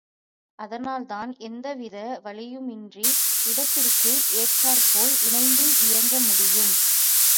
அதனால்தான் எந்தவித வலியுமின்றி, இடத்திற்கு ஏற்றாற்போல் இணைந்து இயங்க முடியும்.